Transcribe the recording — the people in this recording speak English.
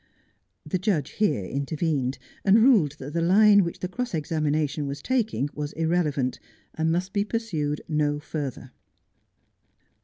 The judge here intervened, and ruled that the line which the cross examination was taking was irrelevant, and must be pur sued no further.